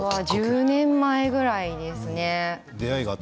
１０年ぐらいですね。